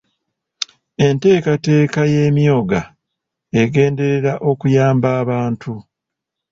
Enteekateeka y'Emyooga egenderera okuyamba abantu .